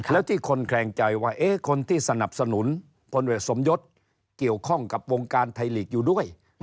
แล้วที่คนแคลงใจว่าคนที่สนับสนุนพลเวทสมยศเกี่ยวข้องกับวงการไทยลีกอยู่ด้วย